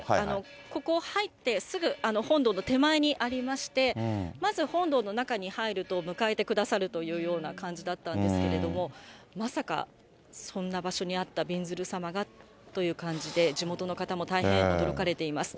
ここ、入ってすぐ、本堂の手前にありまして、まず本堂の中に入ると迎えてくださるというような感じだったんですけど、まさか、そんな場所にあったびんずる様がという感じで、地元の方も大変驚かれています。